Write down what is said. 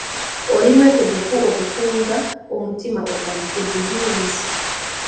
Oli mwetegefu okutunda omutima otandike bizinensi?